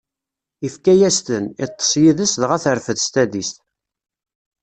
Ifka-as-ten, iṭṭeṣ yid-s, dɣa terfed s tadist.